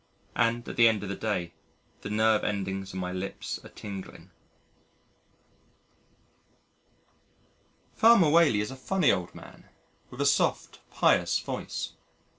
and at the end of the day, the nerve endings on my lips are tingling. Farmer Whaley is a funny old man with a soft pious voice.